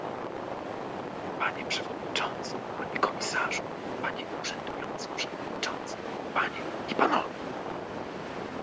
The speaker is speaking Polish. Panie przewodniczący, panie komisarzu, panie urzędujący przewodniczący, panie i panowie